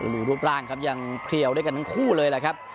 รูปร่างครับยังเพลียวด้วยกันทั้งคู่เลยแหละครับ